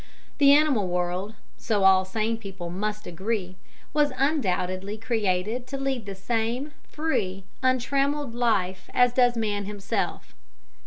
The animal world, so all sane people must agree, was undoubtedly created to lead the same, free, untrammelled life as does man himself.